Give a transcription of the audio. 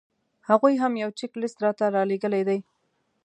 هغوی هم یو چیک لیست راته رالېږلی دی.